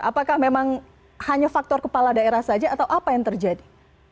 apakah memang hanya faktor kepala daerah saja atau apa yang terjadi